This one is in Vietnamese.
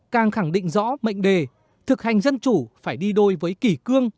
càng khẳng định rõ mệnh đề thực hành dân chủ phải đi đôi với kỷ cương